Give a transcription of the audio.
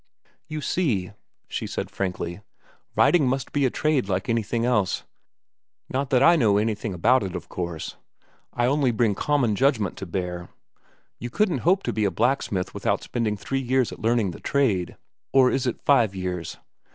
"You see," she said frankly, "writing must be a trade, like anything else. Not that I know anything about it, of course. I only bring common judgment to bear. You couldn't hope to be a blacksmith without spending three years at learning the trade—or is it five years!